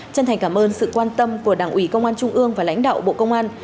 chân thành cảm ơn sự quan tâm của đảng ủy công an trung ương và lãnh đạo bộ công an